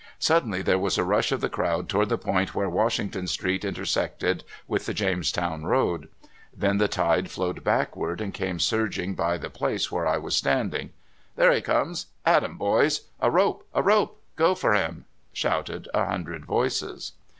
Suddenly there was a rush of the crowd toward the point where Washington Street intersected with the Jamestown road. Then the tide flowed back ward, and came surging by the place where I was standing. " There he comes ! at him, boys !" "A rope ! a rope! "*' Go for him! " shouted a hundred voices.